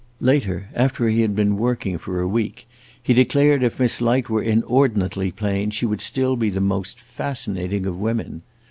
Later, after he had been working for a week, he declared if Miss Light were inordinately plain, she would still be the most fascinating of women.